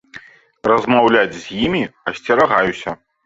Размаўляць з імі асцерагаюся.